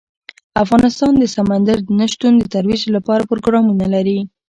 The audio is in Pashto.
افغانستان د سمندر نه شتون د ترویج لپاره پروګرامونه لري.